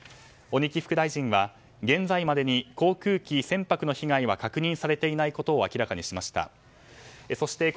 鬼木副大臣は現在までに航空機、船舶の被害は確認されていないことを明らかにしました。